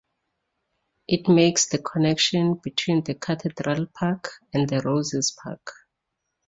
It makes the connection between the Cathedral Park and the Roses Park.